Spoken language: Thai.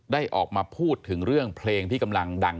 ได้ออกมาพูดถึงเรื่องเพลงที่กำลังดัง